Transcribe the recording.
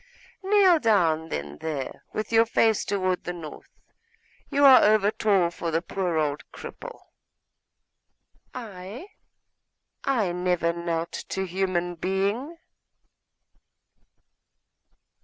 Kneel down then there, with your face toward the north; you are over tall for the poor old cripple.' 'I? I never knelt to human being.